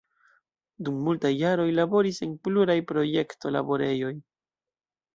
Dum multaj jaroj laboris en pluraj projekto-laborejoj.